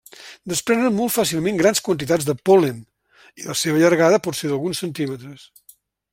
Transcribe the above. Desprenen molt fàcilment grans quantitats de pol·len i la seva llargada pot ser d'alguns centímetres.